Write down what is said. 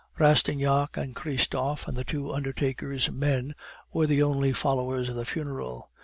Rastignac and Christophe and the two undertaker's men were the only followers of the funeral.